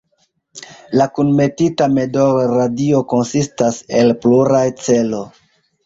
La "kunmetita medolradio"konsistas el pluraj ĉelo.